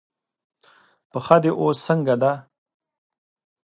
پښه دې اوس څنګه ده؟